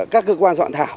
các cơ quan soạn thảo